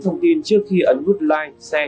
thông tin trước khi ấn nút like share